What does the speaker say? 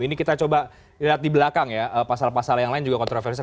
ini kita coba lihat di belakang ya pasal pasal yang lain juga kontroversial